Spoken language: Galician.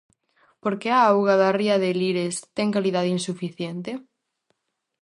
Por que a auga da ría de Lires ten calidade insuficiente?